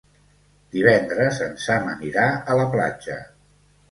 Divendres en Sam anirà a la platja.